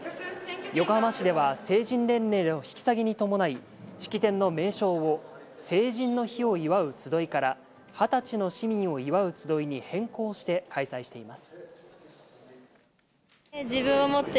横浜市では成人年齢の引き下げに伴い、式典の名称を「成人の日を祝うつどい」から「二十歳の市民を祝うつどい」に変更して開催しています。